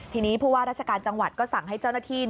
ทีนี้ผู้ว่าราชการจังหวัดก็สั่งให้เจ้าหน้าที่